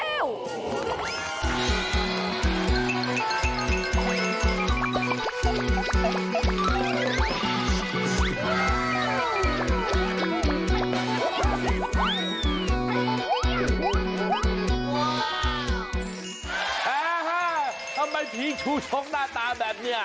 แอ้ฮ่าทำไมผีชูชกหน้าตาแบบนี้